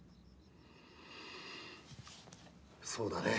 そうだね。